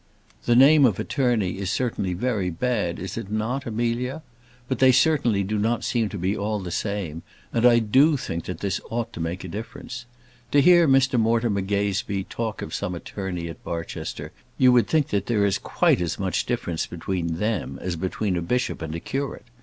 The name of attorney is certainly very bad, is it not, Amelia? but they certainly do not seem to be all the same, and I do think that this ought to make a difference. To hear Mr Mortimer Gazebee talk of some attorney at Barchester, you would say that there is quite as much difference between them as between a bishop and a curate.